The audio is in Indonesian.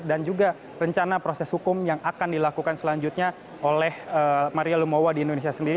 dan juga rencana proses hukum yang akan dilakukan selanjutnya oleh maria lumowa di indonesia sendiri